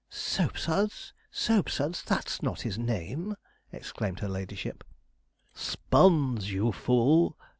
'Soapsuds! Soapsuds! that's not his name,' exclaimed her ladyship. 'Sponge, you fool!